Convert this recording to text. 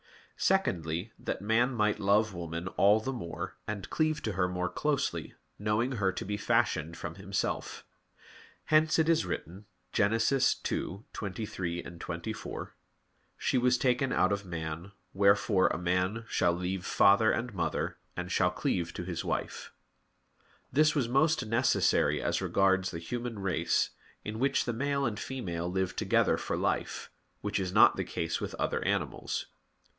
Secondly, that man might love woman all the more, and cleave to her more closely, knowing her to be fashioned from himself. Hence it is written (Gen. 2:23, 24): "She was taken out of man, wherefore a man shall leave father and mother, and shall cleave to his wife." This was most necessary as regards the human race, in which the male and female live together for life; which is not the case with other animals.